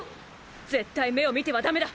絶対目を見てはだめだ！！